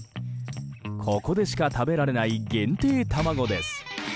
ここでしか食べられない限定卵です。